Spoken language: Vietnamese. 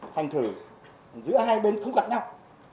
thành thử giữa hai bên không gặp nhau